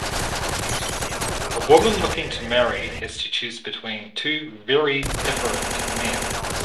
A woman looking to marry has to choose between two very different men.